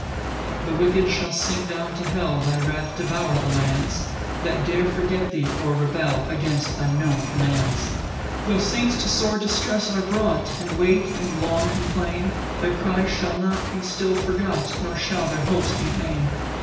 PAUSE. 5 The wicked shall sink down to hell; Thy wrath devour the lands That dare forget thee, or rebel Against thy known commands. 6 Tho' saints to sore distress are brought, And wait and long complain, Their cries shall not be still forgot, Nor shall their hopes be vain.